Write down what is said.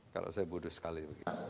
kalau saya buduh sekali